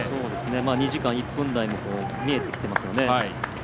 ２時間１分台も見えてきてますよね。